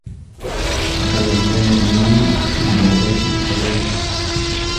ركض سامي للنّجاة بحياته.